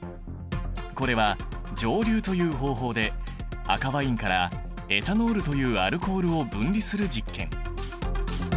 これは蒸留という方法で赤ワインからエタノールというアルコールを分離する実験。